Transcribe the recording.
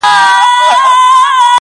زما د زړه کوتره,